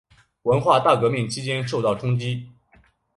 文化大革命期间受到冲击。